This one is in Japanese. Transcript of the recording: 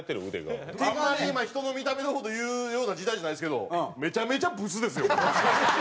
あんまり今人の見た目の事言うような時代じゃないですけどめちゃめちゃブスですよ。